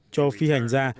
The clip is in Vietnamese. cho phi hành gia